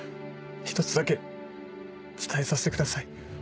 １つだけ伝えさせてください。